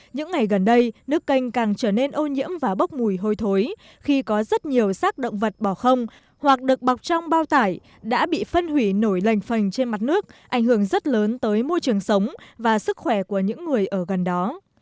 những ngày gần đây nước kênh càng trở nên ô nhiễm và bốc mùi hôi thối khi có rất nhiều sắc động vật bỏ không hoặc được bọc trong bao tải đã bị phân hủy nổi lành phần trên mặt nước ảnh hưởng rất lớn tới môi trường sống và sức khỏe của những người ở gần đó